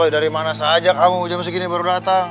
dari mana saja kamu jam segini baru datang